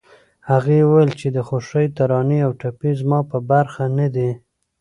هغې وويل چې د خوښۍ ترانې او ټپې زما په برخه نه دي